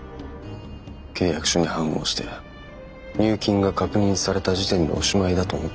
契約書に判を押して入金が確認された時点でおしまいだと思ってた。